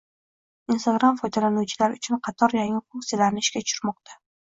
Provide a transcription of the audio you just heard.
Instagram foydalanuvchilar uchun qator yangi funksiyalarni ishga tushirmoqda